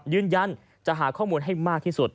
ยืนยันจะหาข้อมูลให้มากที่สุด